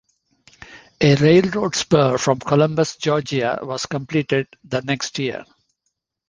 A railroad spur from Columbus, Georgia was completed the next year.